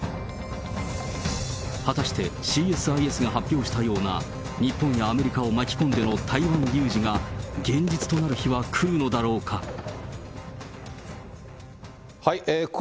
果たしてＣＳＩＳが発表したような、日本やアメリカを巻き込んでの台湾有事が現実となる日は来るのだろうか。